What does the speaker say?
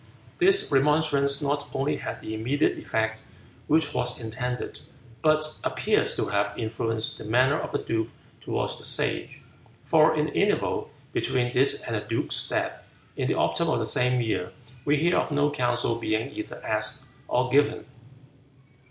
This remonstrance not only had the immediate effect which was intended, but appears to have influenced the manner of the duke toward the Sage, for in the interval between this and the duke's death, in the autumn of the same year, we hear of no counsel being either asked or given.